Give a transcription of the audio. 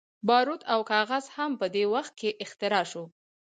باروت او کاغذ هم په دې وخت کې اختراع شول.